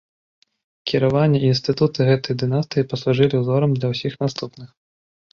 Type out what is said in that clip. Кіраванне і інстытуты гэтай дынастыі паслужылі ўзорам для ўсіх наступных.